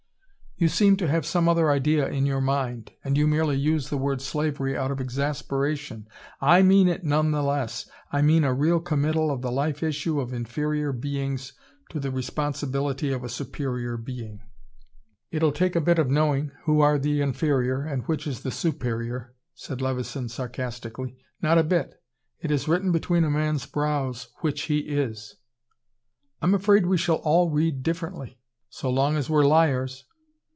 You seem to have some other idea in your mind, and you merely use the word slavery out of exasperation " "I mean it none the less. I mean a real committal of the life issue of inferior beings to the responsibility of a superior being." "It'll take a bit of knowing, who are the inferior and which is the superior," said Levison sarcastically. "Not a bit. It is written between a man's brows, which he is." "I'm afraid we shall all read differently." "So long as we're liars."